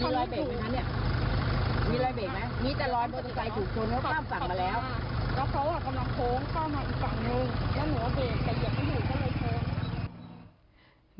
แล้วหนัวเบรกแต่เดี๋ยวมันหนูก็เลยโฟ้ง